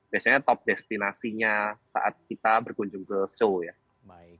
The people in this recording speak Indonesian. biasanya top destinasi nya saat kita berkunjung ke show ya